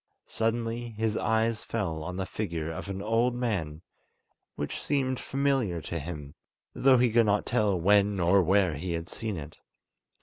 Suddenly his eyes fell on the figure of an old man, which seemed familiar to him, though he could not tell when or where he had seen it.